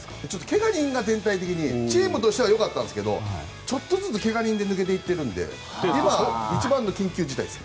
怪我人が全体的にチームとしてはよかったんですがちょっとずつ怪我人で抜けていっているので一番の緊急事態です。